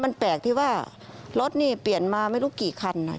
มันแปลกที่ว่ารถนี่เปลี่ยนมาไม่รู้กี่คัน